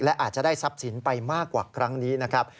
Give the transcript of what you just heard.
และอาจจะได้ทรัพย์สินไปมากกว่าครั้งนี้นะครับ